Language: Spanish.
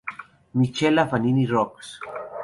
Michela Fanini-Rox.